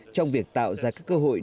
trong việc tạo ra các cơ hội